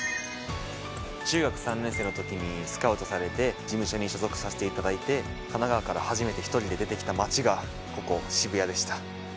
中学３年生のときにスカウトされて事務所に所属させていただいて神奈川から初めて一人で出てきた街がここ渋谷でした。